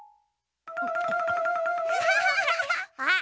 あっ！